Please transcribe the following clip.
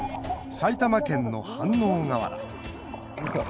埼玉県の飯能河原。